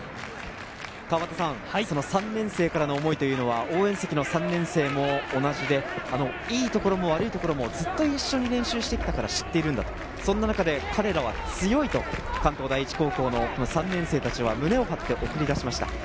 その３年生からの思いというのは応援席の３年生も同じで、いいところも悪いところもずっと一緒に練習して来たから知っているんだと、そんな中で彼らは強いと関東第一高校の３年生達は胸を張って送り出しました。